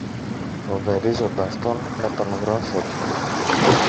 φοβερίζοντας τον με το γρόθο του.